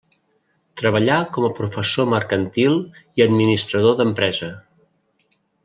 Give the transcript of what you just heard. Treballà com a professor mercantil i administrador d'empresa.